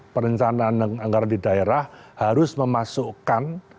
perencanaan anggaran di daerah harus memasukkan